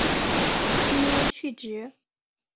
丁忧去职。